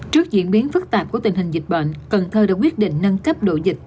trước diễn biến phức tạp của tình hình dịch bệnh cần thơ đã quyết định nâng cấp độ dịch